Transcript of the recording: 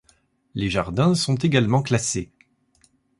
Les jardins sont également classés.